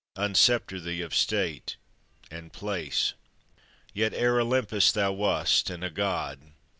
unsceptre thee of state and place! Yet ere Olympus thou wast, and a god!